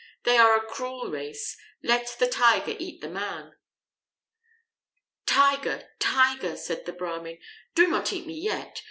They are a cruel race. Let the Tiger eat the man." "Tiger, Tiger," said the Brahmin, "do not eat me yet.